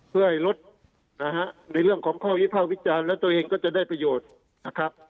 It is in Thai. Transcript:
เพื่อให้ลดนะฮะในเรื่องของข้อวิภาควิจารณ์และตัวเองก็จะได้ประโยชน์นะครับ